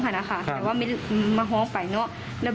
เพื่อนก็ว่ามันถืกถืกหนึ่งครับ